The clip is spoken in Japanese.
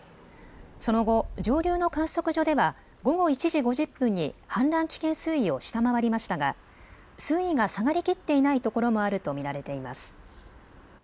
その後、上流の観測所では午後１時５０分に氾濫危険水位を下回りましたが水位が下がりきっていない所もあると見られています。